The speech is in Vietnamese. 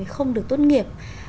không được tốt nghiệp